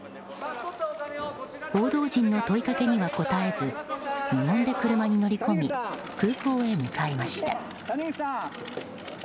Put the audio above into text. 報道陣の問いかけには答えず無言で車に乗り込み空港へ向かいました。